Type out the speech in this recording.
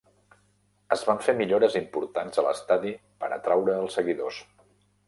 Es van fer millores importants a l'estadi per atraure els seguidors.